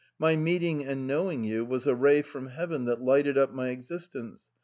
My meeting and knowing you was a ray from heaven, which brightened my existence.